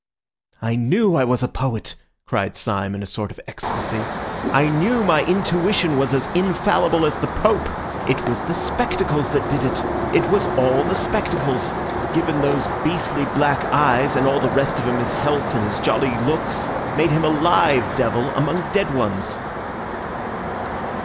"I knew I was a poet," cried Syme in a sort of ecstasy. "I knew my intuition was as infallible as the Pope. It was the spectacles that did it! It was all the spectacles. Given those beastly black eyes, and all the rest of him his health and his jolly looks, made him a live devil among dead ones."